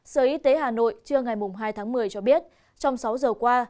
sở y tế hà nội trưa ngày hai tháng một mươi cho biết trong sáu giờ qua